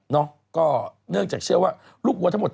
ก็เนื่องจากเชื่อว่าลูกวัวทั้งหมด